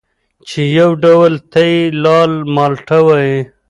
چې یو ډول ته یې لال مالټه وايي